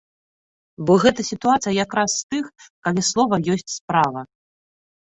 Бо гэта сітуацыя якраз з тых, калі слова ёсць справа.